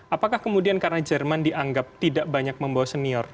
apakah kemudian karena jerman dianggap tidak banyak membawa senior